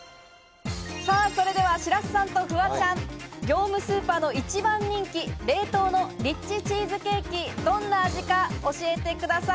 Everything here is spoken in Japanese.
それでは白洲さんとフワちゃん、業務スーパーの一番人気、冷凍のリッチチーズケーキ、どんな味か教えてください。